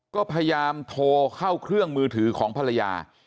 ก็พยายามโทรเข้าเครื่องมือถือของภรรยา